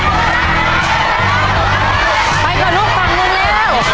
ปักเช้าลูก